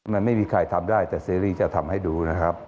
มันไม่มีใครทำได้แต่ซีรีส์จะทำให้ดูนะครับ